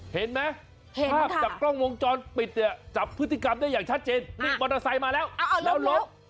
เห็นมั้ยภาพจับกล้องวงจรปิดจับพฤติกรรมได้อย่างชัดเจนมอเตอร์ไซค์มาแล้วแล้วลด